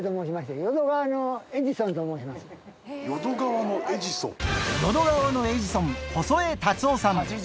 淀川のエジソン、細江達夫さん。